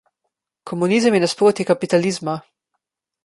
Komunizem je nasprotje kapitalizma.